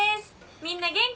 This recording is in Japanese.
みんな元気？